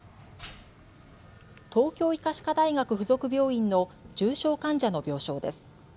東京医科歯科大学附属病院の重症患者の病床です。